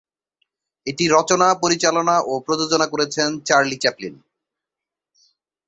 এটি রচনা, পরিচালনা ও প্রযোজনা করেছেন চার্লি চ্যাপলিন।